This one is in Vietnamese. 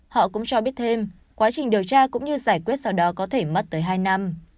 họ cũng cho biết thêm quá trình điều tra cũng như giải quyết sau đó có thể mất tới hai năm